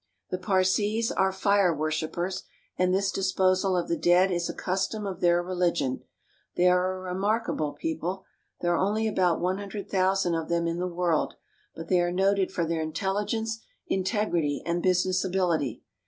The Parsees are fire worshipers, and this disposal of the dead is a custom of their religion. They are a remarkable people. There are only about one hundred thousand of i^ '^# 7~P| E 1 mm r ■'''^'wm ■P" Parsee Boys. them in the world ; but they are noted for their intelligence, integrity, and business ability.